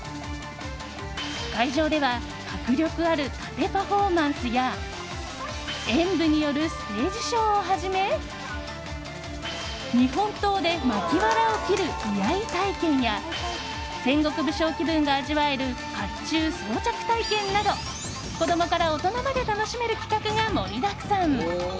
会場では迫力ある殺陣パフォーマンスや演舞によるステージショーをはじめ日本刀で巻きわらを切る居合体験や戦国武将気分が味わえる甲冑装着体験など子供から大人まで楽しめる企画が盛りだくさん。